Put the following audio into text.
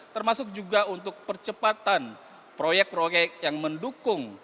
termasuk juga untuk percepatan proyek proyek yang mendukung